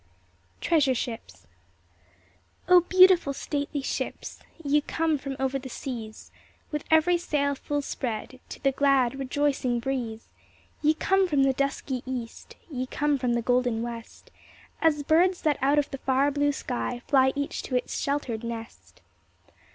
TREASURE SHIPS O BEAUTIFUL, Stately ships, Ye come from over the seas, With every sail full spread To the glad, rejoicing breeze ! Ye come from the dusky East, Ye come from the golden West, As birds that out of the far blue sky Fly each to its sheltered nest.